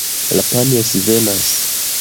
La panjo svenas.